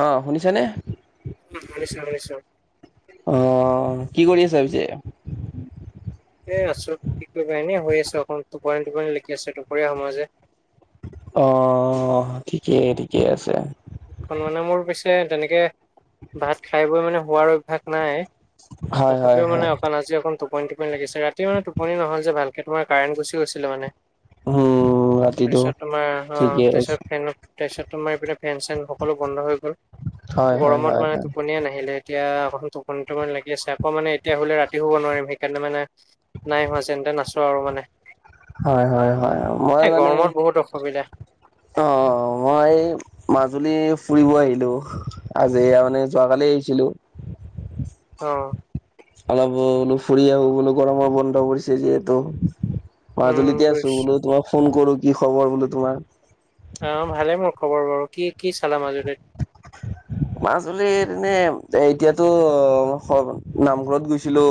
অহ' শুনিছানে? উম, শুনিছোঁ, শুনিছোঁ। অ', কি কৰি আছে, পিছে? এ আছো কি কৰিবা এনে শুই আছো, অকন টোপনি টোপনি লাগি আছে দুপৰীয়া সময় যে। অ' ঠিকেই ঠিকেই আছে। খন মানে মোৰ পিছে তেনেকে ভাত খাই বৈ মানে শুৱাৰ অভ্যাস নাই। হয় হয় তথাপিও মানে হয়, অকন আজি অকন টোপনি টোপনি লাগি আছে ৰাতি মানে টোপনি নহ'ল যে ভালক তোমাৰ কাৰেনট গুচি গৈছিলে মানে। উম, ৰাতিটো তাৰপিছত তোমাৰ আহ ঠিকে তাৰপিছত কৈছে। ফেন তাৰপিছত তোমাৰ এইপিনে। ফেন চেন সকলো বন্ধ হৈ গ'ল। হয় হয় গৰমত হয় মানে হয়, টোপনিয়ে নাহিলে। এতিয়া অকণ টোপনি টোপনি লাগি আছে আকৌ মানে এতিয়া শুলে ৰাতি শুব নোৱাৰিম সেইকাৰণে মানে নাই শুৱা যেন। নাচো আৰু মানে হয়, হয়, হয়, মই এ মানে গৰমত বহুত অসুবিধা অ' মই। মাজুলী ফুৰিব আহিলো, আজি মানে যোৱাকালি আহিছিলো। অ' অলপ বোলো ফুৰি আহো বোলো গৰমৰ বন্ধ পৰিছে যিহেতু। উম মাজুলীতে আছো বুজিছো বোলো তোমাক ফোন কৰো কি খবৰ বোলো তোমাৰ। অ' ভালে মোৰ খবৰ বাৰু কি কি চালা মাজুলীত। [unintelligible] মাজুলী এনে এতিয়াতো নামঘৰত গৈছিলো।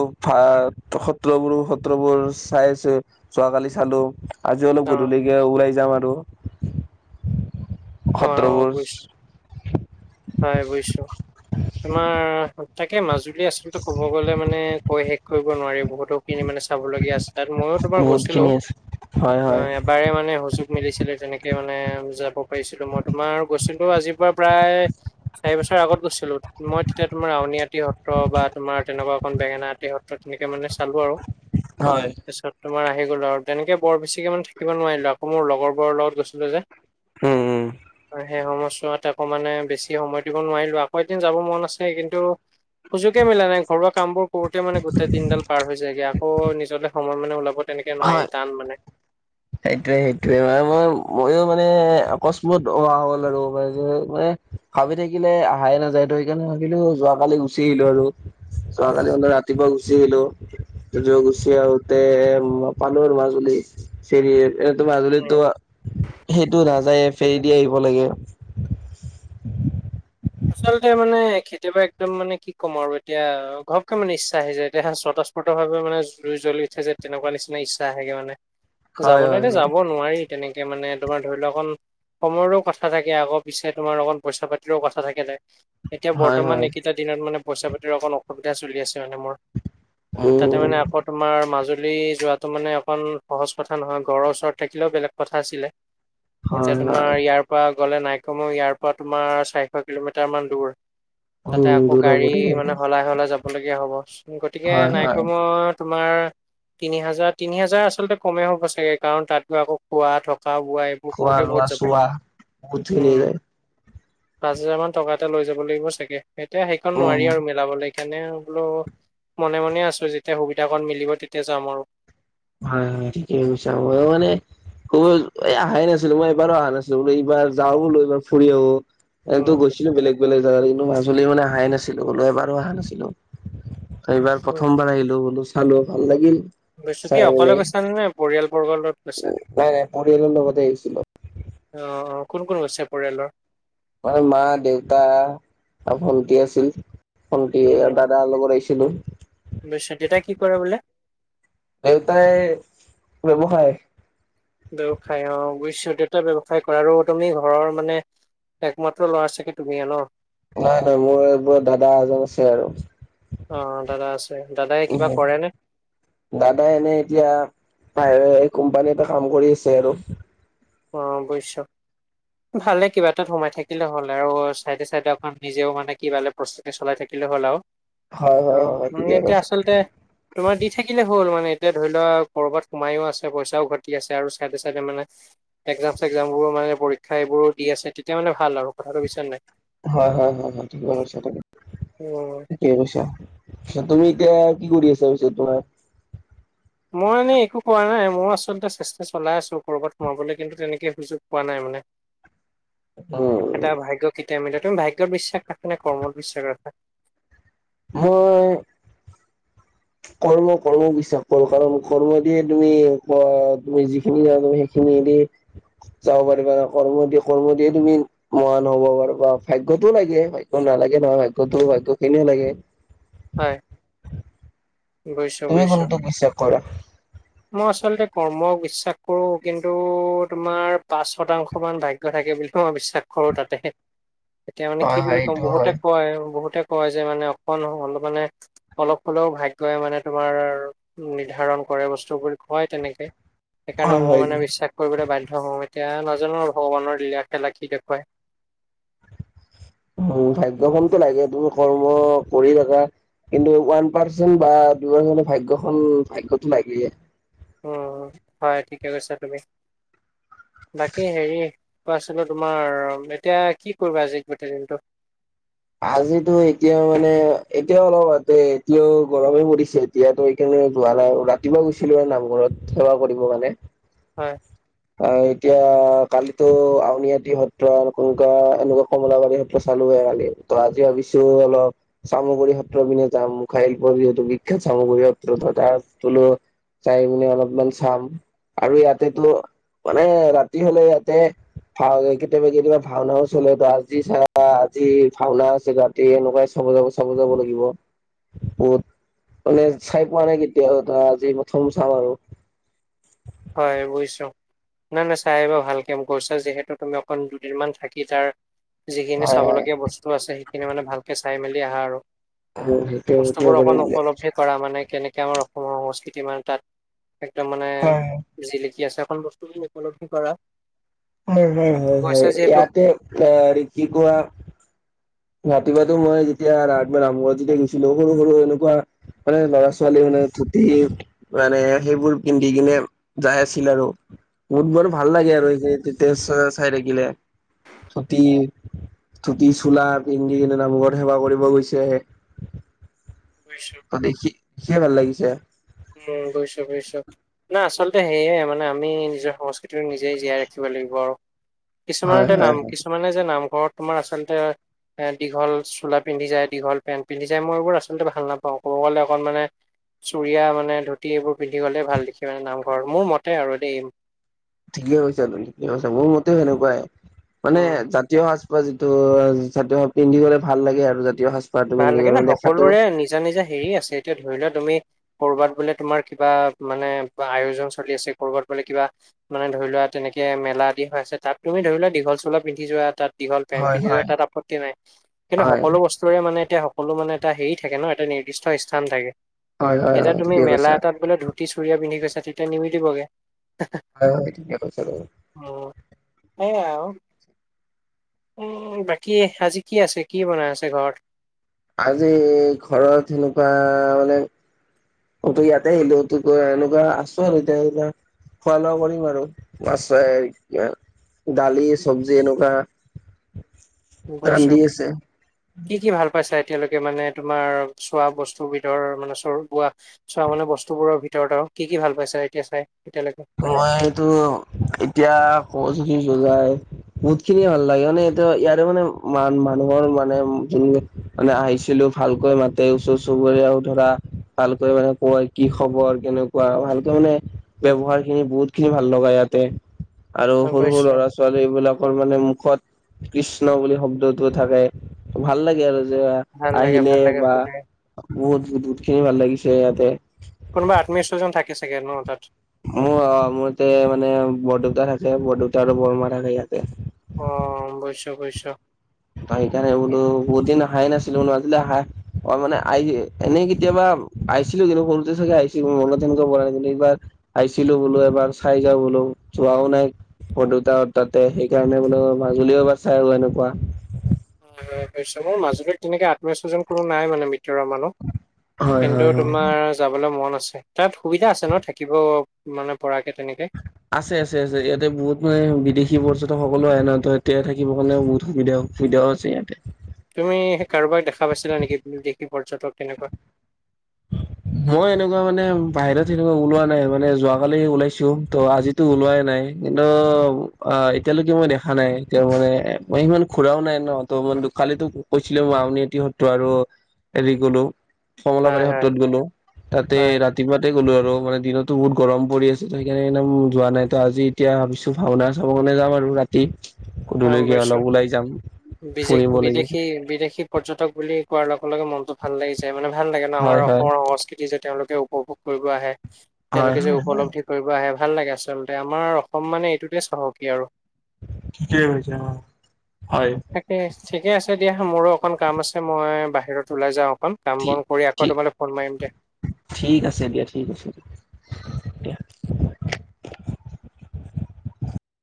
সত্ৰবোৰো সত্ৰবোৰ চাই আছো, যোৱাকালি চালো। আজি অলপ অ গধূলিকে ওলাই যাম আৰু। অ' সত্ৰবোৰ বুজিছো হয়, বুজিছো তোমাৰ তাকে মাজুলী আচলতে ক'ব গ'লে মানে কৈ শেষ কৰিব নোৱাৰি বহুতো কিনি মানে চাবলগীয়া আছে। তাত মই তোমাৰ বহুত গৈছিলো খিনি আছে হয় হয় অ' এবাৰে মানে হজোক মিলিছিলে তেনেকে মানে যাব। পো মই তোমাৰ গৈছিলো আজিৰ পৰা প্ৰায়, চাৰি বছৰ আগত গৈছিলো, মই তেতিয়া তোমাৰ আ নীআটি সত্ৰ বা তোমাৰ তেনেকুৱা এখন বেঙেনা আটি সত্ৰ তেনেকে মানে চালো আৰু। হয় পিছত তোমাৰ আহি আহি গলো আৰু তেনেকে বৰ বেছিকে মানে থাকিব নোৱাৰিলো আকৌ মোৰ লগৰবোৰৰ লগত গৈছিলো যে। উম উম সেই সময়ছোৱাত আকৌ মানে বেছি সময় দিব নোৱাৰিলোঁ আকৌ এদিন যাব মন আছে কিন্তু সুযোগে মিলা নাই ঘৰুৱা কামবোৰ কৰোতে মানে গোটেই দিনডাল পাৰ হৈ যায় গে আকৌ নিজলে সময় মানে ওলাব তেনেকে নোৱাৰি হয়, টান মানে সেইটোৱে সেইটোৱে মই ম মানে অকস্মাত অহা হ'ল আৰু মানে, ভাবি থাকিলে আহাই নাযায় ত সেইকাৰণে গৈছিলো, যোৱাকালি গুচি আহিলো আৰু। যোৱা কালি ম ৰাতিপুৱা ঘুচি আহিলো, য গুচি আহোতে পালৰ মাজুলী, চেৰি এইটো উম। মাজুলীতো, সেইটো নাযায়। ফেৰী দি আহিব লাগে। আচলতে মানে, কেতিয়াবা একদম মানে কি ক'ম আৰু এতিয়া ঘৰকে মানে ইচ্ছা আহি যায় এতিয়া সত সসফৰ্তভাৱোন জুই জ্বল উঠে যে তেনেকুৱা নিচি ইচ্ছা আহেগে মানে। হয় হয় যাবলৈতো হয় যাব নোৱাৰি। তেনেকে মানে তোমাৰ ধৰি লোৱা অকণ, সময়ৰো কথা থাকে আগৰ পিছে তোমাৰ অকণ পইচা পাতিৰও কথা থাকে, এতিয়া হয় বৰ্তমান হয় এইকেইটা দিনত মানে পইচা পাতিৰ অকণ অসুবিধা চলি আছে। তা মোৰ, তাতে উম মানে আকৌ তোমাৰ মাজ যোৱাটো মানে অকণ সহজ কথা নহয় ঘৰৰ ওচৰত থাকিলেও বেলেগ কথা আছিলে। এতিয়া হয় তোমাৰ হয় ইয়াৰ পৰা গ'লে নাই কম ইয়াৰ পৰা তোমাৰ চাৰিশ কিলোমিটাৰ মান দূৰ। তাতে উম আকৌ দূৰ হ'ব গাড়ী দূৰ হ'ব মানে সলাই সলাই যাব লগগীয়া হ'ব গতিকে হয় হয় নাইক্ৰমত তোমাৰ তিনি হাজাৰ, তিনি হাজাৰ আচলতে কমে হ'ব চাগে, কাৰণ তাত গৈ আকৌ খোৱা, থকা খোৱা-বোৱা এইবোৰ খোৱা কৰোতে লোৱা বহুত যাব, চোৱা বহুতখিনি উম। যায় পাঁচ হাজাৰ মান টকা এটা লৈ যাব লাগিব চাগে, এতিয়া সেইখন উম নোৱাৰি আৰু মিলাবলৈ। এনে বোলো, মনে মনে আছোঁ, যেতিয়া সুবিধাকণ মিলিব, তেতিয়া যাম আৰু। হয়, হয়, ঠিকে কৈছা, মই মানে হ'ল, এই অহাই নাছিলো, মই এইকাৰণে অহা নাছিলো, বোলো, এইবাৰ যাওঁ বোলো এইবাৰ ফুৰি আহোঁ। এনেতো গৈছিলো বেলেগ বেলেগ জাগাত, কিন্তু মাজুলী মানে অহাই নাছিল, এবাৰো অহা নাছিলোঁ। এইবাৰ উম। প্ৰথমবাৰ আহিলো, বোলো চালোঁ, ভাল লাগিল। তুমি কি চাই অকলে মেলি গৈছিলা নে পৰিয়াল বৰ্গৰ লগত গৈছা? নাই নাই পৰিয়ালৰ লগতে আহিছিলো অ' অ'। কোন কোন গৈছে পৰিয়ালৰ? আমাৰ মা, দেউতা আৰু ভন্টি আছিল। ভণ্টি, উম, দাদাৰ লগত আহিছিলো। দেউতাই কি কৰে বোলে? দেউতাই ব্যৱসায়। বৱসায়, অ', বুজিছোঁ, দেউতাই ব্যৱসায় কৰে কাৰণে ঘৰৰ মানে একমাত্ৰ ল'ৰা চাগে তুমিয়ে ন'? নহয়, নহয়, মোৰ ওপৰত দাদা এজন আছে আৰু। অ', দাদা আছে, দাদাই কিবা উম, কৰে নে? দাদাই এনেই এতিয়া ইয়াৰে কোম্পানী এটাত কাম কৰি আছে আৰু। অ', বুইছোঁ। ভালে কিবা এটাত সোমাই থাকিলে হ'ল আৰু, চাইডে, চাইডে আকৌ নিজেও মানে কিবা অলপ প্ৰস্তুতি চলাই থাকিলে হ'লে হ'ল আৰু, হয় হয় অ', হয় মই ঠিকে এতিয়া কৈছে আচলতে, তোমাক দি থাকিলে হ'ল আৰু এতিয়া ধৰি লোৱা, কৰ'বাত সোমাইও আছে, পইচাও ঘটি আছে আৰু চাইডে চাইডে মানে এগ্জাম-চেগজামবোৰো মানে পৰীক্ষা, এইবোৰো দি আছে, তেতিয়া মানে ভাল আৰু। কথাটো বুজিছা নাই। হয়, হয়, হয়, হয় ঠিকে কৈছা তুমি। উম, ঠিকে কৈছা, তুমি এতিয়া কি কৰি আছা, পিছত তোমাৰ মই মানে একো কৰা নাই মই আচলতে চেষ্টা চলাই আছো কৰ'বাত সোমাবলৈ, কিন্তু তেনেকে সুযোগ পোৱা নাই মানে। উম এতিয়া ভাগ্যত কেতিয়া মিলে! তুমি ভাগ্যত বিশ্বাস ৰাখা নে কৰ্মত বিশ্বাস ৰাখা? মই কৰ্ম, কৰ্মত বিশ্বাস কৰোঁ। কাৰণ কৰ্ম দিয়ে তুমি, এনেকুৱা তুমি যিখিনি আৰু তুমি সেইখিনি [unintelligible] যাব পাৰিবা। কৰ্ম দিয়ে- কৰ্ম দিয়ে তুমি মহান হ'ব পাৰিবা। ভাগ্যটোও লাগে। ভাগ্য নালাগে নহয়, কিন্তু ভাগ্যখিনিয়ো লাগে। হয়। বুজিছো তুমি বুজিছো। কোনটোক বিশ্বাস কৰা? মই আচলতে কৰ্মক বিশ্বাস কৰোঁ, কিন্তু তোমাৰ পাঁচ শতাংশ মান ভাগ্য থাকে বুলি মই বিশ্বাস কৰোঁ তাতে। এতিয়া মানে হয় কি বুলি হয় ক'ম, এইটো বহুতে হয় কয়, বহুতে কয় যে মানে অকণ অলপ মানে অলপ হ'লেও ভাগ্যই মানে তোমাৰ নিৰ্ধাৰণ কৰে বস্তু বুলি কয় তেনেকে। সেইকাৰণে হয় মই হয় মানে বিশ্বাস কৰিবলৈ বাধ্য। অহ', এতিয়া নাজানো আৰু ভগৱানৰ লীলা-খেলা কি দেখুওৱাই। উম, ভাগ্যখনতো লাগে, তুমি কৰ্ম কৰি থাকা। কিন্তু ওৱান পাৰ্চেণ্ট বা দুই পাৰ্চেণ্ট ভাগ্যখন- ভাগ্যটো লাগেই। উম, হয়, ঠিকে কৈছা তুমি। বাকী হেৰি কৈ আছিলো, তোমাৰ এতিয়া কি কৰিবা আজি গোটেই দিনটো? আজিতো এতিয়া মানে, এতিয়াও অলপ আগতে এতিয়াও গৰমে পৰিছে, এতিয়াতো এই এতিয়া যোৱা নাই, ৰাতিপুৱা গৈছিলোঁ আৰু নামঘৰত সেৱা কৰিব কাৰণে। হয় অ এতিয়া কালিতো আউনীআদি সত্ৰ ন কোনকুৱা এনেকুৱা কমলাবাৰী সত্ৰ চালো যোৱাকালি আজি ভাবিছো হল সামগ্ৰী পত্ৰ বিনে খাইল প যহেতু বিখ্যাত সামগ্ৰী পত্ৰত তাৰ তলো চাই পি অলপমান চাম আৰু ইয়াতেতো মানে ৰাতি হলে ইয়াতে ভাও কেতিয়াবা কেতিয়াবা ভাওনাও চলে তো আজি চাৰ আজি ভাওনা আছে ৰাাতি এনেকুৱাই চাব যাব চাব যাব লাগিব কত মানে চাই পোৱা নাই কেতিয়া ধৰা আজি প্ৰথম চাম আৰু হয় বুইছো নাই নাই চাই আহিবা ভালকে গৈছা যিহেতু তুমি অকণ দুদিনমান থাকি তাৰ যিখিনি হয় হয় চাবলগীয়া বস্তু আছে সেইখিনি মানে ভালকে চাই মেলি আহা আৰু সেইটো সেইটোৱে বস্তুবোৰ কৰিম অকন বুলি হয় উপলব্ধি কৰা মানে কেনেকে আমাৰ অসমৰ সংস্কৃতি মানে তাত একদম মানে হয় জিলিকি আছে আকণ বস্তু খিনি উপলব্ধি কৰা হয় হয় হয় গৈছা হয় যিহেতু ইয়াতে এ কি কোৱা ৰাতিপুৱাতটো মই যেতিয়া ৰা ৰামঘৰত যেতিয়া গৈছিলো সৰু সৰু এনেকুৱা মানে ল'ৰা ছোৱালী মানে ধুতি মানে সেইবোৰ পিন্ধি কিনে যাই আছিল আৰু বহুত বাৰু ভাল লাগে আৰু তে চাই থাকিলে ধুতি ধুতি চোলাৰ পিন্দী কিনে নামঘৰত সেৱা কৰিব গৈছে বুজিছো ত দেখি সিয় ভাল লাগিছে উম গৈছো বুইছ না আচলতে সেয়ে মানে আমি নিজৰ সংস্কৃতি নিজেই জীয়াই ৰাখিব লাগিব আৰু হয় কিছুমানতে হয় নাম হয় কিছুমানে যে নামঘৰত তোমাৰ আচলতে এ দীঘল চোলা পিন্ধি যায় দীঘল পেণ্ট পিন্ধি যায় মই এইবোৰ আচলতে ভাল নাপাওঁ ক'ব গ'লে অকণ মানে চুৰিয়া মানে ধুতি এইবোৰ পিন্ধি গ'লে ভাল দেখি মানে নামঘৰত মোৰ মতে আৰু দেই ঠিকে হৈছে ঠিকে হৈছে মোৰ মতেও সেনেকুৱাই মানে উম জাতীয় সাজ যিটো অ', জাতীয় পিন্ধি গ'লে ভাল লাগে আৰু জাতীয় সাজ ভাল লাগে না, সকলোৰে নিজা নিজা হেৰি আছে, এতিয়া ধৰি লোৱা তুমি, ক'ৰবাত বোলে তোমাৰ কিবা মানে আয়োজন চলি আছে, ক'ৰবাত বোলে কিবা মানে ধৰি লোৱা, তেনেকে মেলা আদি হৈ আছে, তাত তুমি ধৰি লোৱা দীঘল চোলা পিন্ধি যোৱা, তাত দীঘল পেণ্ট হয়, পিন্ধি যোৱা হয়। তাত আপত্তি নাই, কিন্তু হয়, সকলো বস্তুৰেই মানে এতিয়া সকলো মানে এটা হেৰি থাকে ন, এটা নিৰ্দিষ্ট স্থান থাকে, হয়, হয়, এতিয়া হয়, তুমি ঠিকে মেলা কৈছা। এটাত বোলে ধ ধূতি চুুৰীয়া পিন্ধি গৈছা, তেতিয়া নিমিলিবগে। হয় হয়, ঠিকেই কৈছা বাৰু। সেইয়াই আৰু। উম, বাকী আজি কি আছে? কি বনাই আছে ঘৰত? আজি ঘৰত সেনেকুৱা মানে অ', তো ইয়াতেই আহিলোঁ, ত' এনেকুৱা আছো আৰু এতিয়া এইয়া খোৱা লোৱা কৰিম আৰু, মাছ চাই দালি, চবজি এনেকুৱা ৰান্ধি বুজিছোঁ, আছে। কি কি ভাল পাইছা এতিয়ালৈকে মানে তোমাৰ চোৱা বস্তু ভিতৰ, মানে চ বোৱা চোৱা মানে বস্তু বোৰৰ ভিতৰত আৰু। কি ভাল পাইছা এতিয়া চাই? এতিয়ালৈকে মইতো এতিয়া ক'বচো বুজাই, বহুত খিনিয়েই ভাল লাগে, মানে এয়া ইয়াৰে মানে মান মানুহৰ মানে যোন মানে আহিছিলোঁ, ভালকৈ মাতে, ওচৰ চুবুৰীয়াও ধৰা ভালকৈ মানে কয়, কি খবৰ? বৰ কেনেকুৱা? ভালকে মানে ব্যৱহাৰ খিনি বহুত খিনি ভাল লগা ইয়াতে, আৰু গম সৰু সৰু পাইছো ল'ৰা ছোৱালীবিলাকৰ মানে মুখত কৃষ্ণ বুলি শব্দটো থাকে, ভাল লাগে আৰু যে ভাল লাগে আহিলে ভাল লাগে বা ভাল লাগে বহুত বহুত খিনি ভাল লাগিছে ইয়াতে। কোনোবা আত্মীয় স্বজন থাকে চাগে ন তাত? মোৰ অ', মোৰ ইয়াতে মানে বৰদেউতা থাকে, বৰদেউতা আৰু বৰমা থাকে ইয়াত। অ', বুজিছোঁ বুজিছোঁ। ত' সেইকাৰণে বোলো বহুতদিন অহাই নাছিলো, মো আজিলৈ অহাই মই মানে আহি এনেই কেতিয়াবা আহিছিলোঁ, কিন্তু সৰুতে চাগে আহিছিলো, মনত এনেকুৱা পৰা নাই কিন্তু এইবাৰ আহিছিলোঁ বোলো, এবাৰ চাই যাও বোলো, যোৱাও নাই। বৰদেউতা হতৰ তাতে, সেইকাৰণে বোলো মাজুলীও এবাৰ চাই আহোঁ কেনেকুৱা। অ', হয়, মোৰ মাজুলীত তেনেকে আত্মীয় চজন কোনো নাই মানে। ভিতৰুৱা মানুহ, হয়, কিন্তু হয়, অ'। তোমাৰ যাবলৈ মন আ ছে। তাত সুবিধা আছে ন' থাকিব মানে পৰা আছে, আছে, আছে। ইয়াতে বহুত মানে বিদেশী পৰ্য টক সকলো আহে ন', ত' এতিয়া থাকিবৰ কাৰণে বহুত সুবিধা সুবিধাও আছে ইয়াতে। তুমি সেই কাৰোবাক দেখা পাইছিলা নেকি? বিদেশী পৰ্যটক তেনেকুৱা। মই এনেকুৱা মানে বাহিৰত এনেকুৱা ওলোৱা নাই, মানে যোৱা কালি ওলাইছো, ত' আজিতো ওলোৱাই নাই। কিন্তু অ', এতিয়ালৈকে মই দেখা নাই, এতিয়া মানে মই সিমান খুৰাও নাই ন' অহ। কালিতো কৈছিলে, মই আউনিআটি সত্ৰ আৰু হেৰি গ'লো। হয় কমলাবাৰী হয় সত্ৰত গ'লো, তাতেই হয় ৰাতিপুৱাতে গ'লো আৰু, মানে দিনতো বহুত গৰম পৰি আছে, ত' সেইকাৰণে একদম যোৱা নাই, ত' আজি এতিয়া ভাবিছো ভাওনা চাব মানে যাম আৰু ৰাতি। গম গধূলিকে পাইছোঁ, অলপ ওলাই যাম। বিজে, ফুৰিব লাগিব বিদেশী, বিদেশী পৰ্যটক বুলি কোৱাৰ লগে লগে মনতো ভাল লাগি যায়, মানে ভাল লাগে ন', হয় আমাৰ হয় অসমৰ সংস্কৃতি যে তেওঁলোকে উপভোগ কৰিব আহে। হয় তেওঁলোকে যে হয় হয় উপলব্ধি কৰিব আহে, ভাল লাগে আচলতে, আমাৰ অসম মানে এইটোতেই চাহকী আৰু। ঠিকেই কৈছা হয় তাকেহে ঠিকেই আছে দিয়া, মোৰো অকণ কাম আছে, মই বাহিৰত ওলাই যাওঁ অকন, কাম ঠিক বন কৰি ঠিক আকৌ তোমালৈ ফোন মাৰিম দিয়া। ঠিক আছে দিয়া, ঠিক আছে দিয়া।